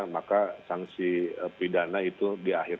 maka sanksi pidana itu di akhir